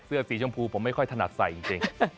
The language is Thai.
เสื้อสีชมพูผมไม่ค่อยถนัดใส่จริง